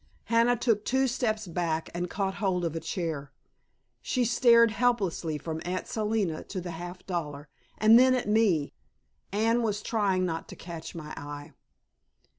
Hannah took two steps back and caught hold of a chair; she stared helplessly from Aunt Selina to the half dollar, and then at me. Anne was trying not to catch my eye.